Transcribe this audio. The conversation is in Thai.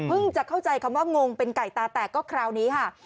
จะเข้าใจคำว่างงเป็นไก่ตาแตกก็คราวนี้ค่ะ